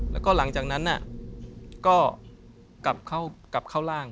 แล้วก็หลังจากนั้นก็กลับเข้าร่าง